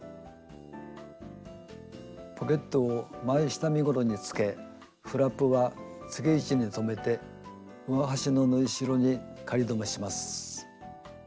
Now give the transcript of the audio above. ポケットを前下身ごろにつけフラップはつけ位置に留めて上端の縫いしろに仮留めします。